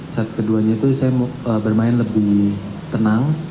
set keduanya itu saya bermain lebih tenang